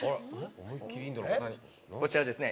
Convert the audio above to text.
こちらですね